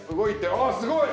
あっすごい！